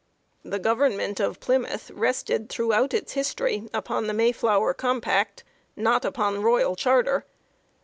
The government of Plymouth rested, throughout its his tory as a separate colony, upon the Mayflower Com pact, not upon royal charter.